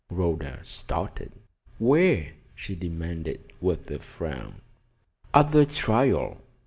Rhoda started. "Where?" she demanded, with a frown. "At the trial."